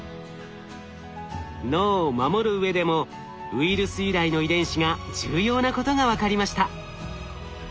脳を守る上でもウイルス由来の遺伝子が重要なことが分かりました。